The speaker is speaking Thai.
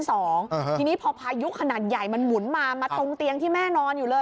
ทีนี้พอพายุขนาดใหญ่มันหมุนมามาตรงเตียงที่แม่นอนอยู่เลย